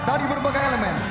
dari berbagai elemen